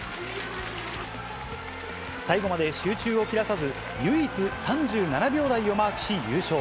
最後まで集中を切らさず、唯一３７秒台をマークし優勝。